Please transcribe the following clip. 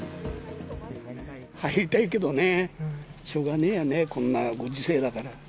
入りたいけどね、しょうがねぇやね、こんなご時世だから。